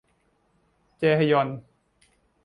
แจฮยอน